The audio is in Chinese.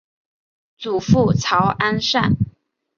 祖父曹安善。